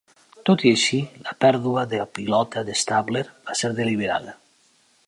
Tot i així, la pèrdua de pilota de Stabler va ser deliberada.